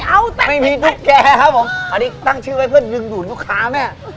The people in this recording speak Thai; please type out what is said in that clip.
ไม่มีไม่มีตุ๊กแก่ครับผมอันนี้ตั้งชื่อไว้เพิ่งยืนดูนลูกค้าแม่